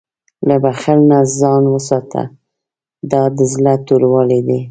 له بخل نه ځان وساته، دا د زړه توروالی دی.